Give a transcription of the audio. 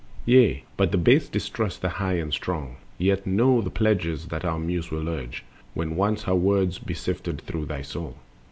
Yea, but the base distrust the High and Strong; Yet know the pledges that our Muse will urge, When once her words be sifted through thy soul.